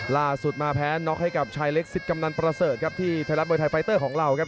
ล่าสุดมาแพ้น็อกให้กับชายเล็กสิทธิ์กำนันประเสริฐครับที่ไทยรัฐมวยไทยไฟเตอร์ของเราครับ